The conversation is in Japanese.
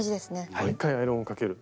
もう１回アイロンをかける。